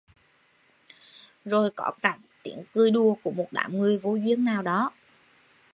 Rồi có cả tiếng cười đùa của một đám người vô duyên nào đó